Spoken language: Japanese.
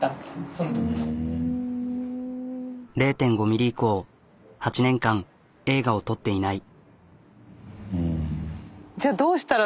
「０．５ミリ」以降８年間映画を撮っていない。